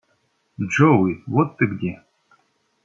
Джоуи, вот ты где.